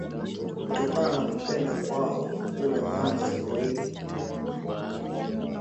kutokana na kupenda kwao kula nyama za porini